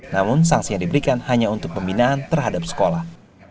namun sanksi yang diberikan hanya untuk pembinaan terhadap sekolah